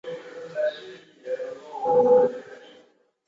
规划路线起于高铁路和重和路口路口。